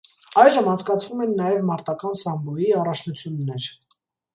Այժմ անցկացվում են նաև մարտական սամբոյի առաջնություններ։